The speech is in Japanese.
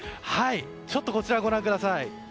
ちょっと、こちらをご覧ください。